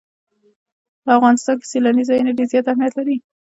په افغانستان کې سیلاني ځایونه ډېر زیات اهمیت لري.